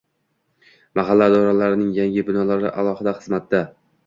Mahalla idoralarining yangi binolari aholi xizmatida